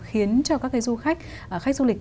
khiến cho các du khách khách du lịch